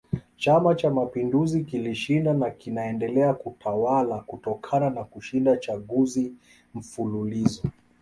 Chama Cha Mapinduzi kilishinda na kinaendelea kutawala kutokana na kushinda chaguzi mfululizo